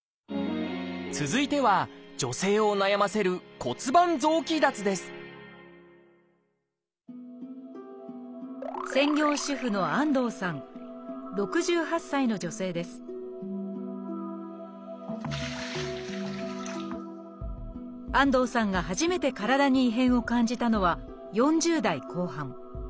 続いては女性を悩ませる専業主婦の安藤さん６８歳の女性です安藤さんが初めて体に異変を感じたのは４０代後半。